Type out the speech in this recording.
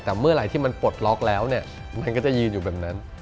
แต่เมื่อไหร่ที่มันปลดล็อกแล้วเนี่ยมันก็จะยืนอยู่แบบนั้น